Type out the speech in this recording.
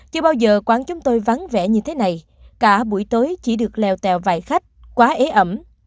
chưa bao giờ quán chúng tôi vắng vẻ như thế này cả buổi tối chỉ được leo tèo vài khách quá ế ẩm